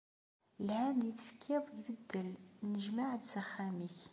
Lɛehd tefkiḍ ibeddel, nnejmeɛ-d s axxam-ik.